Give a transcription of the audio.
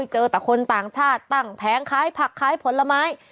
เจอแต่คนต่างชาติตั้งแผงขายผักขายผลไม้